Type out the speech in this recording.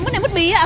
mứt này là mứt bí ạ